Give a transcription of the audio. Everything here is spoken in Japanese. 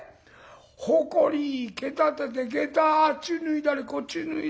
ほこり蹴立てて下駄あっち脱いだりこっち脱いだり。